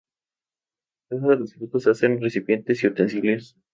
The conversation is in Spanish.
Con la corteza de los frutos se hacen recipientes y utensilios.